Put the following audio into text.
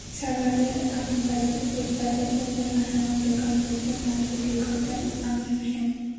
সাভারের আমিনবাজারে ফুটপাতের ওপর ভাসমান দোকান বসিয়ে মাছ বিক্রি করতেন আমির হোসেন।